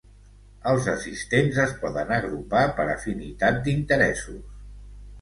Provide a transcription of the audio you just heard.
Els assistents es poden agrupar per afinitat d'interessos.